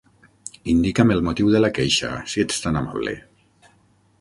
Indica'm el motiu de la queixa, si ets tan amable.